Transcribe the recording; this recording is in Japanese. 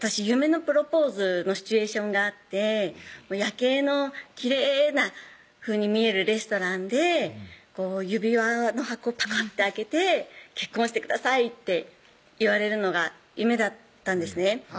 夢のプロポーズのシチュエーションがあって夜景のきれいなふうに見えるレストランでこう指輪の箱パカッて開けて「結婚してください」って言われるのが夢だったんですね